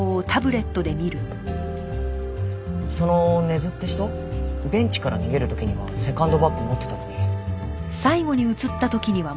その根津って人ベンチから逃げる時にはセカンドバッグ持ってたのに。